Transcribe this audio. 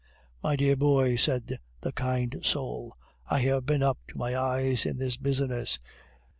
"My dear boy," said the kind soul, "I have been up to the eyes in this business.